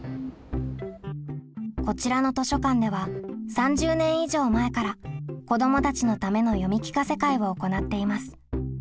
こちらの図書館では３０年以上前から子どもたちのための読み聞かせ会を行っています。